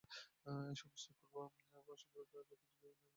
এ সমস্তই পূর্বপ্রথা হইতে কিছু বিভিন্ন এবং বহু যত্ন ও পারিপাট্যের সহিত রচিত।